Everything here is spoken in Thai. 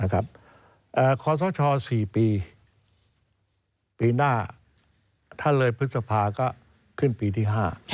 ขอสช๔ปีปีหน้าถ้าเลยพฤษภาก็ขึ้นปีที่๕